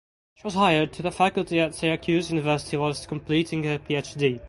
She was hired to the faculty at Syracuse University whilst completing her PhD.